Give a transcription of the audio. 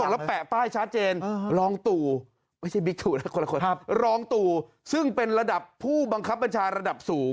ร้องตู่ซึ่งเป็นระดับผู้บังคับบัญชาระดับสูง